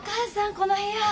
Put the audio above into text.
この部屋。